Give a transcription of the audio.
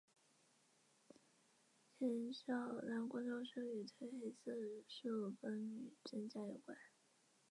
夜间减少蓝光照射与褪黑激素分泌增加有关。